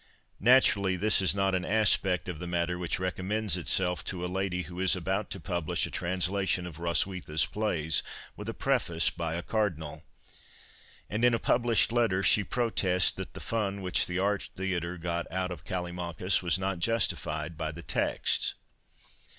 Naturally this is not an aspect of the matter which recommends itself to a lady who is about to publish a translation of Hroswitha's plays with a preface by a cardinal, and in a published letter she protests that the fun which the Art Theatre got out of Callimachus was not justified by the text.